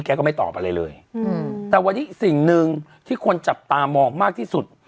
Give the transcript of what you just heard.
ก็ไม่ตอบอะไรเลยแต่วันนี้สิ่งหนึ่งที่คนจับตามองมากที่สุด